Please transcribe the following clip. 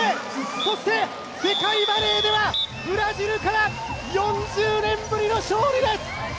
そして世界バレーではブラジルから４０年ぶりの勝利です！